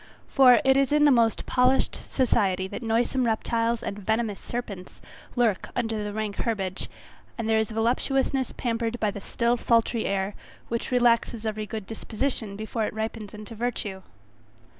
For it is in the most polished society that noisome reptiles and venomous serpents lurk under the rank herbage; and there is voluptuousness pampered by the still sultry air, which relaxes every good disposition before it ripens into virtue.